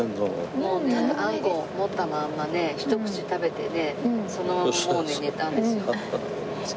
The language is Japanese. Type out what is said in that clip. もうねあんこ持ったまんまねひと口食べてねそのままもうね寝たんですよ。